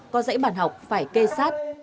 có dãy bản học phải kê sát